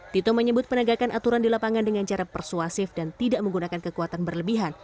tito menyebut penegakan aturan di lapangan dengan cara persuasif dan tidak menggunakan kekuatan berlebihan